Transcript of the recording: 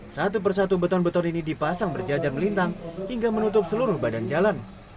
satu persatu beton beton ini dipasang berjajar melintang hingga menutup seluruh badan jalan